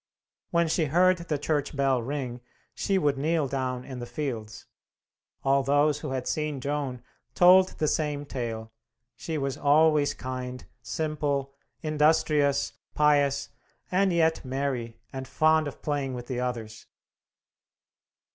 When she heard the church bell ring, she would kneel down in the fields." All those who had seen Joan told the same tale: she was always kind, simple, industrious, pious and yet merry and fond of playing with the others.